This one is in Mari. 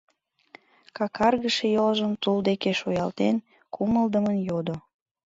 — какаргыше йолжым тул деке шуялтен, кумылдымын йодо.